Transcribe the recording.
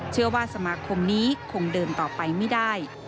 เชื่อว่าสมาคมนี้คงเดินต่อไปไม่ได้